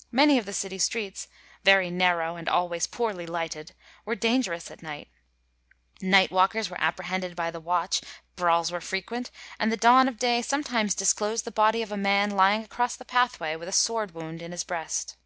^ Many of the city streets, very narrow, and always poorly lighted, were dangerous at night: night walkei^s were appre hended by the watch, brawls were frequent; and the dawn of day sometimes disclosed the body of a man lying across the pathway with a sword wound in his breast.